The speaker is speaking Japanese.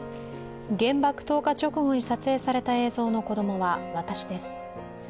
原爆投下直後に撮影された映像の子供は私です。